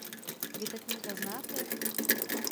Vy tatínka znáte?